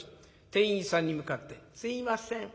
店員さんに向かって「すいません。